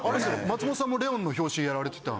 松本さんも『ＬＥＯＮ』の表紙やられてた。